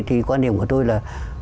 thì quan điểm của tôi là